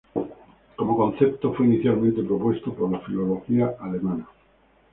Como concepto, fue inicialmente propuesto por la filología alemana.